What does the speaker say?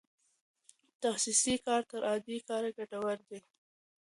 تخصصي کار تر عادي کار ګټور دی.